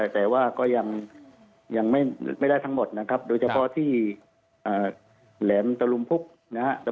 แต่ว่าก็ยังไม่ได้ทั้งหมดนะครับโดยเฉพาะที่แหลมตะลุมพุกนะครับ